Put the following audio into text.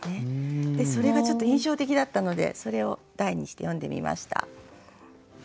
それがちょっと印象的だったのでそれを題にして詠んでみました。